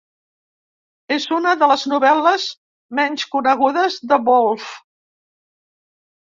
És una de les novel·les menys conegudes de Woolf.